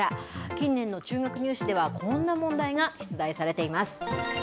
近年の中学入試では、こんな問題が出題されています。